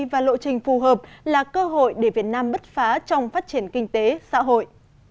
và lộ trình phù hợp là cơ hội để việt nam bứt phá trong phát triển kinh tế xã hội